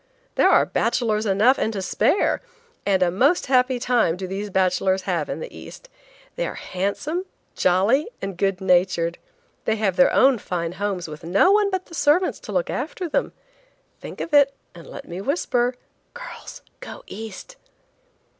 There are bachelors enough and to spare! And a most happy time do these bachelors have in the East. They are handsome, jolly and good natured. They have their own fine homes with no one but the servants to look after them. Think of it, and let me whisper, "Girls, go East!"